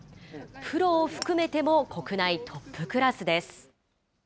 プロを含めても国内トップクラスです。